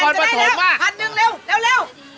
พิษนนั่งค์จะถึงเร็ว